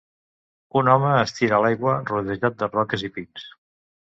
Un home es tira a l'aigua rodejat de roques i pins.